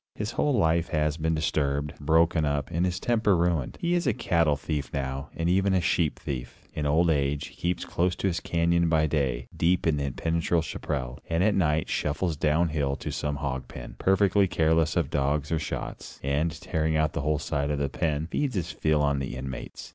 His whole life has been disturbed, broken up; and his temper ruined. He is a cattle thief now, and even a sheep thief. In old age, he keeps close to his canyon by day, deep in the impenetrable chaparral, and at night shuffles down hill to some hog pen, perfectly careless of dogs or shots, and, tearing out a whole side of the pen, feeds his fill on the inmates.